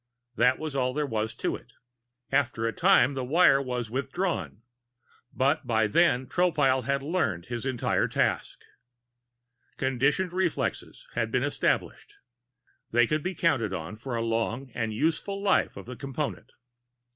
That was all there was to it. After a time, the wire was withdrawn, but by then Tropile had "learned" his entire task. Conditioned reflexes had been established. They could be counted on for the long and useful life of the Component.